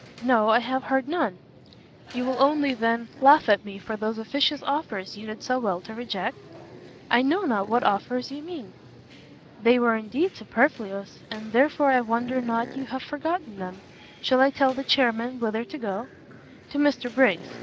"No, I have heard none!" "You will only, then, laugh at me for those officious offers you did so well to reject?" "I know not what offers you mean!" "They were indeed superfluous, and therefore I wonder not you have forgotten them. Shall I tell the chairmen whither to go?" "To Mr Briggs.